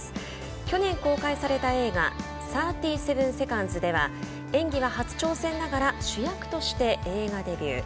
去年公開された映画「３７セカンズ」では、演技は初挑戦ながら主役としてデビュー。